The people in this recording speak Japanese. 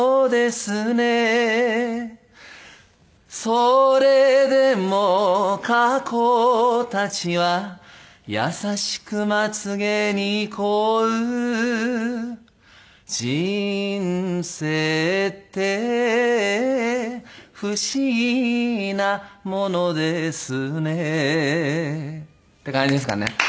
「それでも過去達は優しく睫毛に憩う」「人生って不思議なものですね」っていう感じですかね。